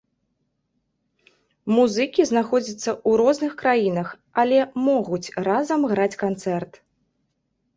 Музыкі знаходзяцца ў розных краінах, але могуць разам граць канцэрт.